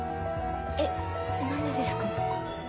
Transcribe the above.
えっなんでですか！？